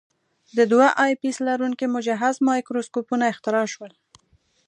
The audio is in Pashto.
د دوه آی پیس لرونکي مجهز مایکروسکوپونه اختراع شول.